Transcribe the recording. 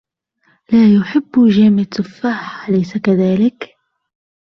لا يحب جِم التفاح ، أليس كذلك ؟